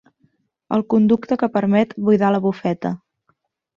El conducte que permet buidar la bufeta.